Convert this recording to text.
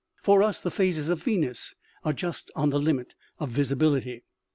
(For us the phases of Venus are just on the limit of visibility.)